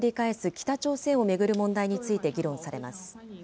北朝鮮を巡る問題について議論されます。